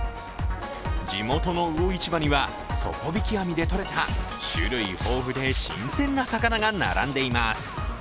地元の魚市場には、底引き網でとれた種類豊富で新鮮な魚が並んでいます。